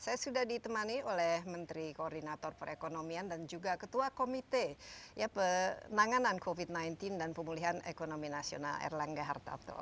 saya sudah ditemani oleh menteri koordinator perekonomian dan juga ketua komite penanganan covid sembilan belas dan pemulihan ekonomi nasional erlangga hartarto